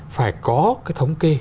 phải có thống kê